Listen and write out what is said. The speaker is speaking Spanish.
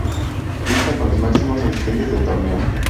Lista con los máximos asistentes del torneo.